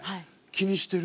気にしてる？